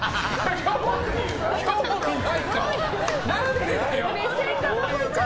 興味ない顔。